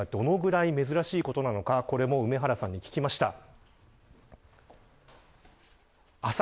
今回の事態がどのぐらい珍しいことなのか梅原さんに聞きました。